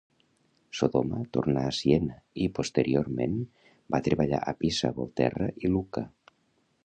Sodoma tornà a Siena i, posteriorment, va treballar a Pisa, Volterra i Lucca.